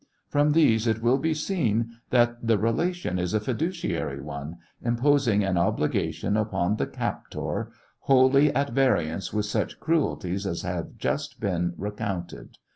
From these it will be seen that the relation is a fiduciary one, imposing an obligation upon the captor wholly at variance with such cruelties as have just been recounted.